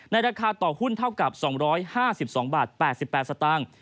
ราคาต่อหุ้นเท่ากับ๒๕๒บาท๘๘สตางค์